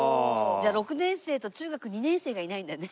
じゃあ６年生と中学２年生がいないんだね。